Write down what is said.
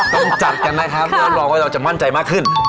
ต้องจัดกันนะครับรับรองว่าเราจะมั่นใจมากขึ้น